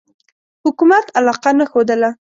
حکومت علاقه نه ښودله.